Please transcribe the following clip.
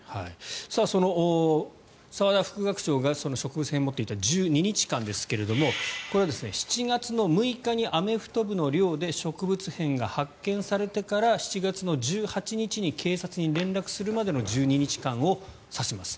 その澤田副学長が植物片を持っていた１２日間ですがこれは７月６日にアメフト部の寮で植物片が発見されてから７月の１８日に警察に連絡するまでの１２日間を指します。